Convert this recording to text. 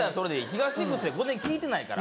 「東口」って５年聞いてないから。